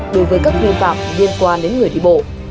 đối với các nguyên phạm liên quan đến người đi bộ